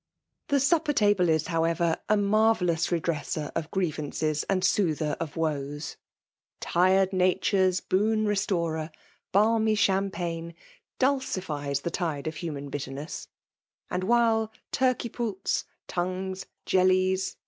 The supper table is, however, a marvellous redresser of grievances and soother of woes « V Tired nature^s boon restorer, balmy Cham , pagae,'* dulcifies the tide of human bitter ness : and while turkey poults, tongues, jellies.